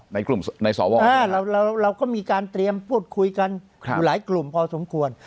ในกลุ่มในสวเราก็มีการเตรียมพูดคุยกันอยู่หลายกลุ่มพอสมควร